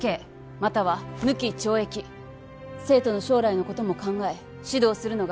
または無期懲役生徒の将来のことも考え指導するのが